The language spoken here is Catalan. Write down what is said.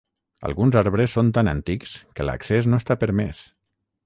Alguns arbres són tan antics que l'accés no està permès.